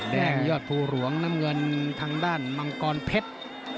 ยอดภูหลวงน้ำเงินทางด้านมังกรเพชร